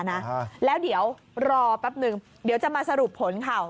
รอแป๊บหนึ่งเดี๋ยวจะมาสรุปผลข่าว